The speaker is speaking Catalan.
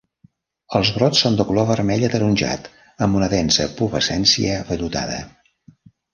Els brots són de color vermell ataronjat amb una densa pubescència vellutada.